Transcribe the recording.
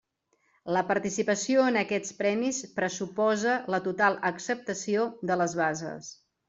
La participació en aquests Premis pressuposa la total acceptació de les bases.